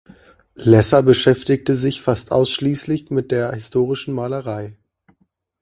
Lesser beschäftigte sich fast ausschließlich mit der historischen Malerei.